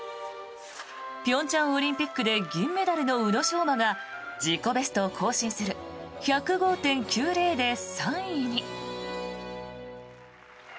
平昌オリンピックで銀メダルの宇野昌磨が自己ベストを更新する１０５．９０で３位に。